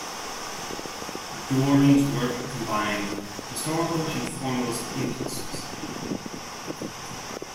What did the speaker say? Doran's work combined historical and formalist impulses.